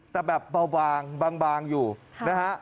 แต่แบบเบาบางอยู่นะฮะ